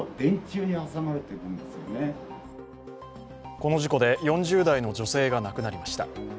この事故で４０代の女性が亡くなりました。